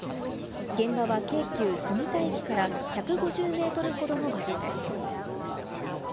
現場は京急・杉田駅から１５０ｍほどの場所です。